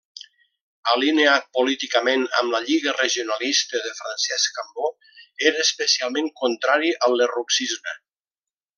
Alineat políticament amb la Lliga Regionalista de Francesc Cambó, era especialment contrari al lerrouxisme.